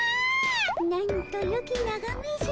なんとよきながめじゃ。